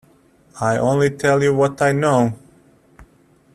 I only tell you what I know.